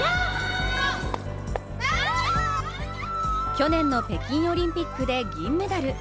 去年の北京オリンピックで銀メダル。